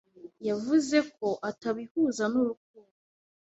Yavuze ko atabihuza n’urukundo